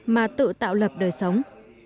mà tự tạo lập đời sống